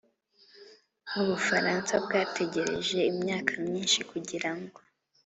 nk'u bufaransa bwategereje imyaka myinshi kugira ngo